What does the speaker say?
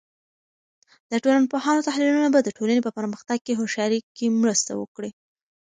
د ټولنپوهانو تحلیلونه به د ټولنې په پرمختګ کې هوښیارۍ کې مرسته وکړي.